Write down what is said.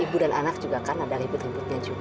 ibu dan anak juga kan ada ribut ributnya juga